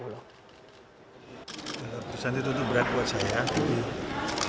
atas jasanya merekomendasikan cv semesta berjaya ke perumbulok